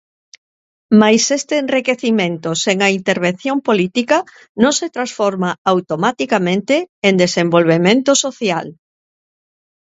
Mais este enriquecemento, sen a intervención política, non se transforma automaticamente en desenvolvemento social.